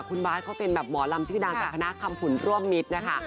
คุณบาทเขาเป็นแบบหมอลำชื่อดังจากคณะคำผุนร่วมมิตรนะคะ